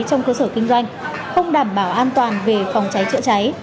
trong cơ sở kinh doanh không đảm bảo an toàn về phòng cháy chữa cháy